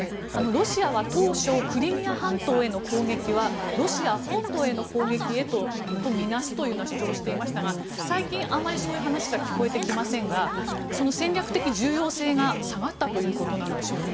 ロシアは当初クリミア半島への攻撃はロシア本土への攻撃だと見なすというような主張をしていましたが最近あまりそのような話が聞こえてきませんが戦略的重要性が下がったということなんでしょうか。